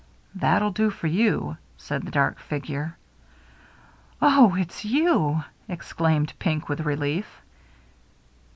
" That'll do for you," said the dark figure. " Oh, it's you !" exclaimed Pink, with relief.